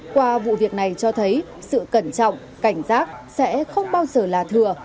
qua vụ việc này cho thấy sự cẩn trọng cảnh giác sẽ không bao giờ là thừa